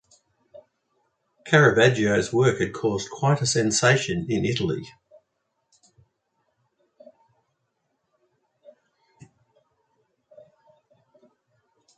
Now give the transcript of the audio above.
Caravaggio's work had caused quite a sensation in Italy.